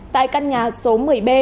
tại căn nhà số một mươi một